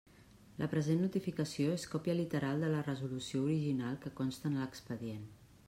La present notificació és còpia literal de la resolució original que consta en l'expedient.